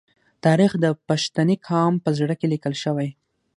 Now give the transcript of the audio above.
تاریخ د پښتني قام په زړه کې لیکل شوی.